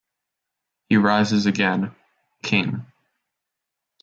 He rises again, king.